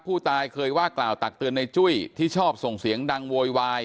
ผู้ตายเคยว่ากล่าวตักเตือนในจุ้ยที่ชอบส่งเสียงดังโวยวาย